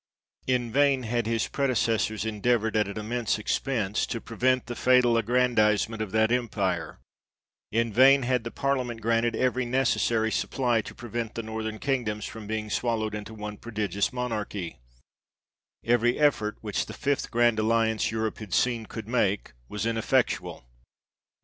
In vain had his predecessors endea voured at an immense expense to prevent the fatal aggrandizement of that empire ; in vain had the parliament granted every necessary supply to prevent the Northern Kingdoms from being swallowed into one prodigious monarchy ; every effort which the fifth grand alliance Europe had seen, could make, was in effectual.